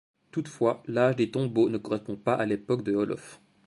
Toutefois, l'âge des tombeaux ne correspondent pas à l'époque de Olof.